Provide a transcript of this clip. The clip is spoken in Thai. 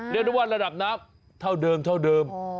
เรียกได้ว่าระดับน้ำเท่าเดิม